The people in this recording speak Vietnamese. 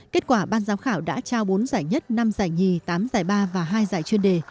kết quả ban giám khảo đã trao bốn giải nhất năm giải nhì tám giải ba và hai giải chuyên đề